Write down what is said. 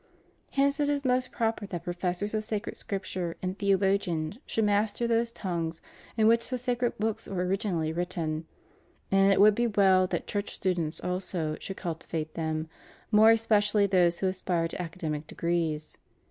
^ Hence it is most proper that professors of sacred Scripture and theologians should master those tongues in which the sacred books were originally written; and it would be well that Church stu dents ako should cultivate them, more especially those who aspire to academic degrees.